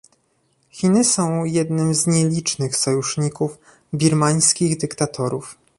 Chiny są jednym z nielicznym sojuszników birmańskich dyktatorów